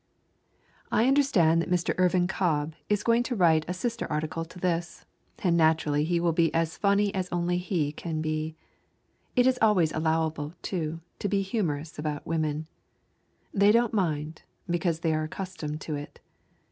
I understand that Mr. Irvin Cobb is going to write a sister article to this, and naturally he will be as funny as only he can be. It is always allowable, too, to be humorous about women. They don't mind, because they are accustomed to it.